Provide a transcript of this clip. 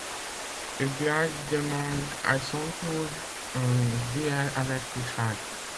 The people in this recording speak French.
Eduard demande à son tour un duel avec Richard.